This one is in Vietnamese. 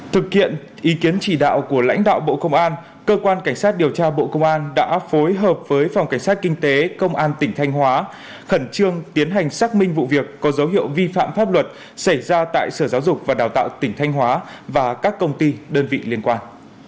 thực hiện ý kiến chỉ đạo của lãnh đạo bộ công an cơ quan cảnh sát điều tra bộ công an đã phối hợp với phòng cảnh sát kinh tế công an tỉnh thanh hóa khẩn trương tiến hành xác minh vụ việc có dấu hiệu vi phạm pháp luật xảy ra tại sở giáo dục và đào tạo tỉnh thanh hóa và các công ty đơn vị liên quan